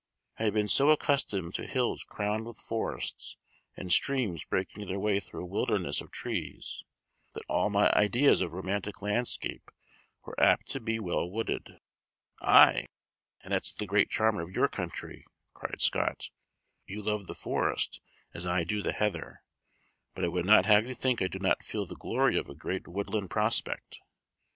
I had been so accustomed to hills crowned with forests, and streams breaking their way through a wilderness of trees, that all my ideas of romantic landscape were apt to be well wooded. "Aye, and that's the great charm of your country," cried Scott. "You love the forest as I do the heather but I would not have you think I do not feel the glory of a great woodland prospect.